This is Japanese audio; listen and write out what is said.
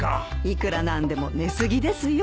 いくらなんでも寝過ぎですよ。